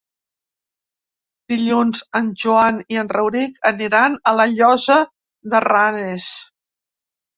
Dilluns en Joan i en Rauric aniran a la Llosa de Ranes.